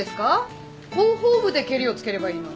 広報部でけりをつければいいのに。